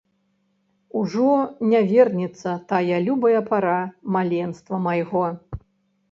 Ужо не вернецца тая любая пара маленства майго.